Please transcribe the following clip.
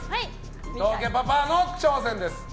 伊藤家パパの挑戦です。